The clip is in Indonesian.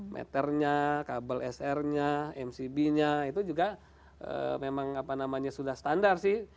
meternya kabel srnya mcbnya itu juga memang apa namanya sudah standar sih